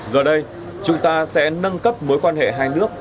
giờ đây chúng ta sẽ nâng cấp mối quan hệ hai nước